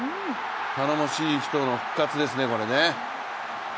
頼もしい人の復活ですね、これね。